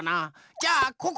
じゃあここ！